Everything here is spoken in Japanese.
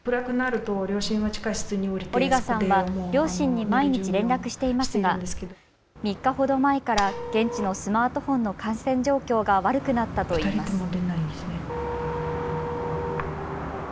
オリガさんは両親に毎日連絡していますが３日ほど前から現地のスマートフォンの回線状況が悪くなったといいます。